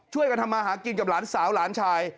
ช่วยกันทำมาหากินกับหลานสาวหลานชาย